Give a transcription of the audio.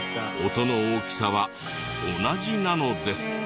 音の大きさは同じなのです。